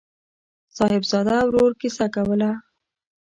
صاحبزاده ورور کیسه کوله.